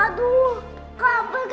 aduh kak begit kak